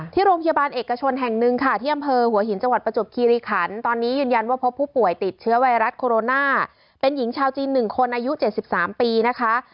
ที่โรงพยาบาลเอกชนแห่งหนึ่งค่ะที่อำเภอหัวหินจังหวัดประจวบคีรีขันตอนนี้ยืนยันว่าพบผู้ป่วยติดเชื้อไวรัสโคโรนาเป็นหญิงชาวจีน๑คนอายุ๗๓ปีนะคะ